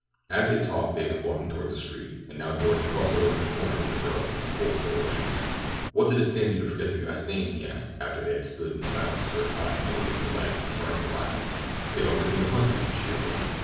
As they talked they had been walking toward the street, and now Doarty crossed over to the corner with the girl and pulled for the wagon. "What did it stand you to forget the guy's name? he asked, after they had stood in silence for a time awaiting the wagon's tardy arrival. "They offered me a hundred," she replied.